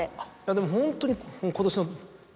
でもホントに。